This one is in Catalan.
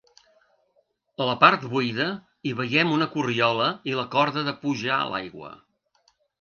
A la part buida hi veiem una corriola i la corda de pujar l'aigua.